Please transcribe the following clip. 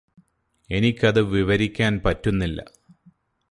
എനിക്കത് വിവരിക്കാന് പറ്റുന്നില്ല